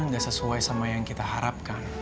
nggak sesuai sama yang kita harapkan